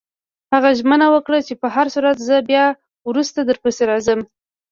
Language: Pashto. هغه ژمنه وکړه: په هرصورت، زه بیا وروسته درپسې راځم.